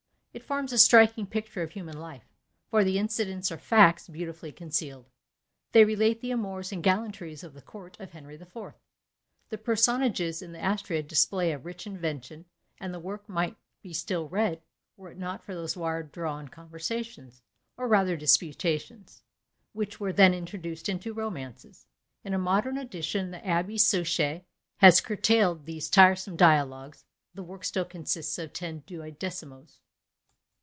It forms a striking picture of human life, for the incidents are facts beautifully concealed. They relate the amours and gallantries of the court of Henry the Fourth. The personages in the Astrea display a rich invention; and the work might be still read, were it not for those wire drawn conversations, or rather disputations, which were then introduced into romances. In a modern edition, the Abbé Souchai has curtailed these tiresome dialogues; the work still consists of ten duodecimos.